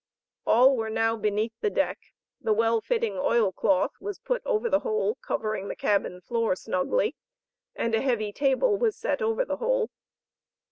All were now beneath the deck, the well fitting oil cloth was put over the hole covering the cabin floor snugly, and a heavy table was set over the hole.